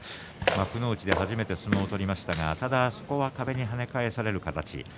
幕内で初めて相撲を取りましたがただそこは壁に跳ね返される形。